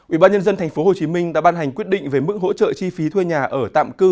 ubnd tp hcm đã ban hành quyết định về mức hỗ trợ chi phí thuê nhà ở tạm cư